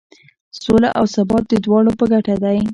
سوله او ثبات د دواړو په ګټه دی.